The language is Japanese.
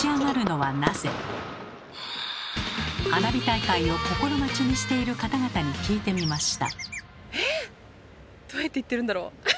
花火大会を心待ちにしている方々に聞いてみました。